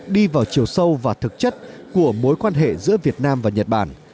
đi vào chiều sâu và thực chất của mối quan hệ giữa việt nam và nhật bản